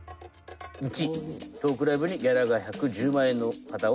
「①トークライブにギャラが１１０万円の方を呼ぶ」。